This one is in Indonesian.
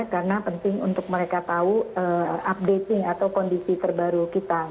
karena penting untuk mereka tahu kondisi terbaru kita